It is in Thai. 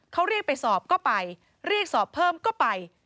เขาเรียกไปสอบก็ไปเรียกสอบเพิ่มก็ไป